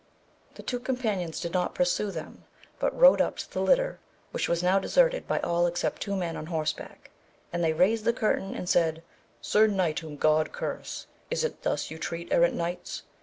The two companions did not pursue them but rode up to the litter which was now deserted by all except two men on horseback, and they raised the curtain and said, Sir Knight, whom God curse, is it thus you treat errant knights'?